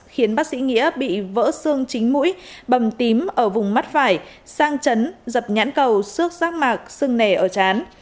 khiến bác sĩ nghĩa bị vỡ xương chính mũi bầm tím ở vùng mắt phải sang chấn dập nhãn cầu xước rác mạc sưng nề ở chán